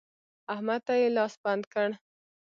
احمد ته يې لاس بند کړ.